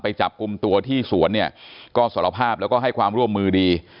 จับกลุ่มตัวที่สวนเนี่ยก็สารภาพแล้วก็ให้ความร่วมมือดี